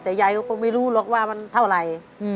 แต่ยายก็ไม่รู้หรอกว่ามันเท่าไหร่